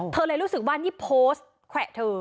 เลยรู้สึกว่านี่โพสต์แขวะเธอ